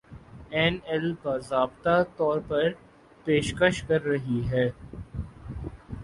اینایل باضابطہ طور پر پیشکش کر رہی ہے